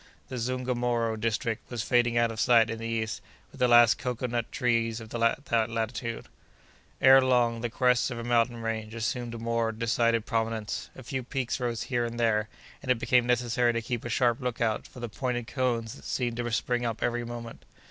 The Zungomoro district was fading out of sight in the east with the last cocoa nut trees of that latitude. Ere long, the crests of a mountain range assumed a more decided prominence. A few peaks rose here and there, and it became necessary to keep a sharp lookout for the pointed cones that seemed to spring up every moment.